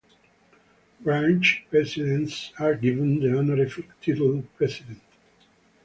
Branch presidents are given the honorific title "President".